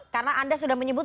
karena anda sudah menyebut